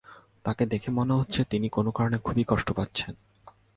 তাঁকে দেখে মনে হচ্ছে তিনি কোনো কারণে খুব কষ্ট পাচ্ছেন।